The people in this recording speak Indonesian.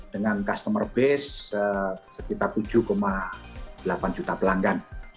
dengan customer base sekitar tujuh delapan juta pelanggan